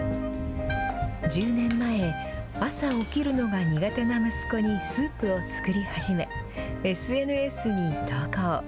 １０年前、朝起きるのが苦手な息子にスープを作り始め、ＳＮＳに投稿。